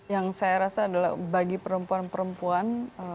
yang saya rasa adalah bagi perempuan perempuan